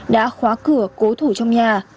đã khóa cửa cố thủ trong nhà